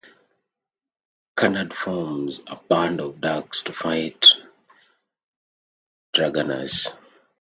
Canard forms a band of Ducks to fight Dragaunus.